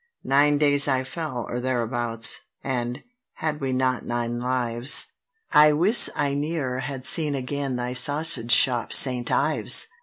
Nine days I fell, or thereabouts: and, had we not nine lives, I wis I ne'er had seen again thy sausage shop, St. Ives!